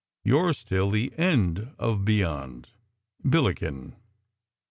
Yours till the end of beyond, Billiken."